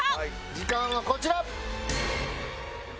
時間はこちら！